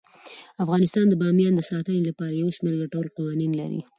افغانستان د بامیان د ساتنې لپاره یو شمیر ګټور قوانین لري.